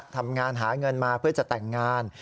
ทำงานหาเงินมาเพื่อจะแต่งงาน